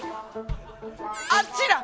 あっちだ。